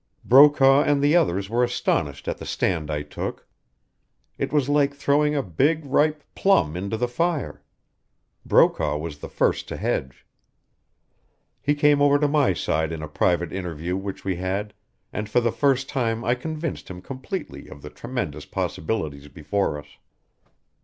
Brokaw and the others were astonished at the stand I took. It was like throwing a big, ripe plum into the fire Brokaw was the first to hedge. He came over to my side in a private interview which we had, and for the first time I convinced him completely of the tremendous possibilities before us.